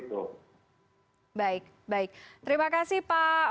baik baik terima kasih pak